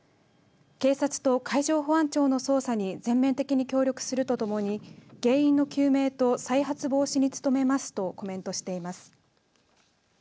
警察と海上保安庁の捜査に全面的に協力するとともに原因の究明と再発防止に努めますとコメントしています。